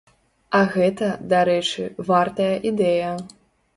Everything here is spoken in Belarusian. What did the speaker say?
А гэта, дарэчы, вартая ідэя.